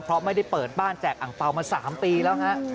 เพราะไม่ได้เปิดบ้านแจกอังเปล่ามา๓ปีแล้วฮะ